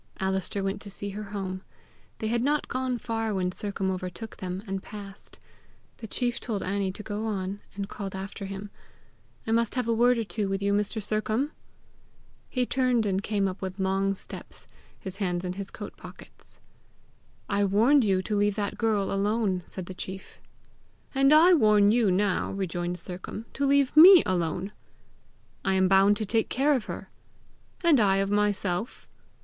Alister went to see her home. They had not gone far when Sercombe overtook them, and passed. The chief told Annie to go on, and called after him, "I must have a word or two with you, Mr. Sercombe!" He turned and came up with long steps, his hands in his coat pockets. "I warned you to leave that girl alone!" said the chief. "And I warn you now," rejoined Sercombe, "to leave me alone!" "I am bound to take care of her." "And I of myself."